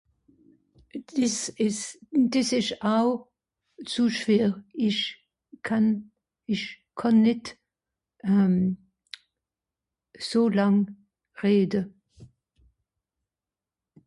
des ist des esch àw zu schwer isch kann isch kànn nìt euh so làng rede